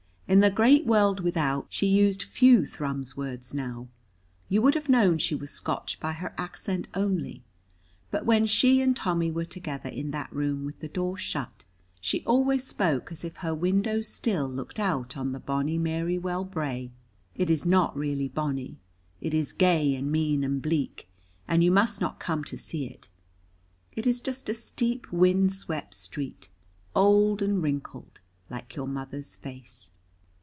In the great world without, she used few Thrums words now; you would have known she was Scotch by her accent only, but when she and Tommy were together in that room, with the door shut, she always spoke as if her window still looked out on the bonny Marywellbrae. It is not really bonny, it is gey an' mean an' bleak, and you must not come to see it. It is just a steep wind swept street, old and wrinkled, like your mother's face.